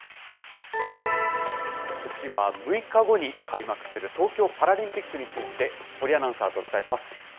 次は６日後に開幕する東京パラリンピックについて、堀アナウンサーとお伝えします。